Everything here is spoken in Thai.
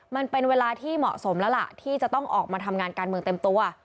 มันเป็นเวลาที่เหมาะสมแล้วล่ะที่จะต้องออกมาทำงานการเมืองเต็มตัว